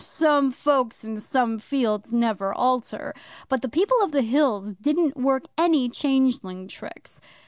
Some folks and some fields never alter. But the People of the Hills didn't work any changeling tricks.